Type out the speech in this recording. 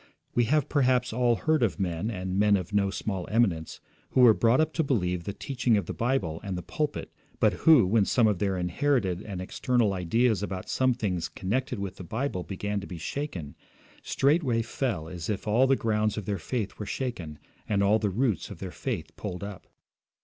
We have perhaps all heard of men, and men of no small eminence, who were brought up to believe the teaching of the Bible and the pulpit, but who, when some of their inherited and external ideas about some things connected with the Bible began to be shaken, straightway felt as if all the grounds of their faith were shaken, and all the roots of their faith pulled up.